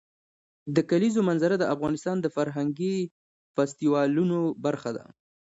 د کلیزو منظره د افغانستان د فرهنګي فستیوالونو برخه ده.